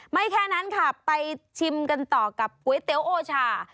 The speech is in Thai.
แค่นั้นค่ะไปชิมกันต่อกับก๋วยเตี๋ยวโอชา